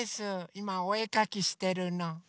いまおえかきしてるの。